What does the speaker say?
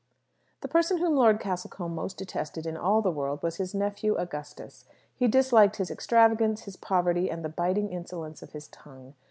The person whom Lord Castlecombe most detested in all the world was his nephew Augustus. He disliked his extravagance, his poverty, and the biting insolence of his tongue.